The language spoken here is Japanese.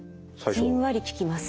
じんわり効きます。